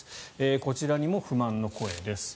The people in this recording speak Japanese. こちらにも不満の声です。